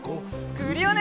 クリオネ！